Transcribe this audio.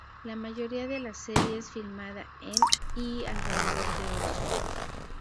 La mayoría de la serie es filmada en y alrededor de Oxford.